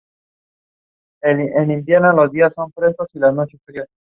Comprende aguas australianas y de la mancomunidad.